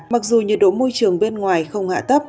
mặc dù nhiệt độ môi trường bên ngoài không hạ thấp